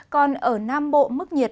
còn ở nam bộ mức nhiệt